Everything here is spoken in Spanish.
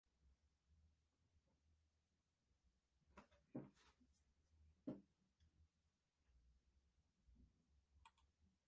Varios frentes guerrilleros llevaron en tributo su nombre.